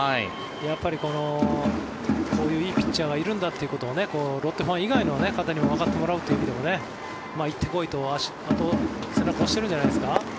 やっぱりこういういいピッチャーがいるんだっていうことをロッテファン以外の方にもわかってもらうという意味で行って来いと、背中を押してるんじゃないですか。